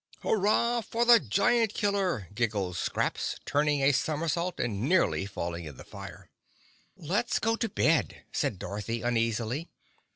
"Hurrah for the giant killer!" giggled Scraps, turning a somersault and nearly falling in the fire. "Let's go to bed!" said Dorothy uneasily.